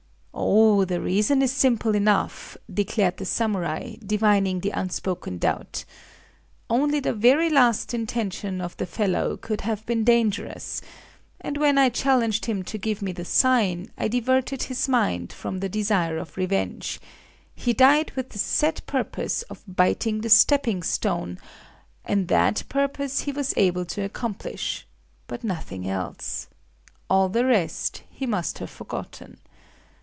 "Oh, the reason is simple enough," declared the samurai, divining the unspoken doubt. "Only the very last intention of the fellow could have been dangerous; and when I challenged him to give me the sign, I diverted his mind from the desire of revenge. He died with the set purpose of biting the stepping stone; and that purpose he was able to accomplish, but nothing else. All the rest he must have forgotten...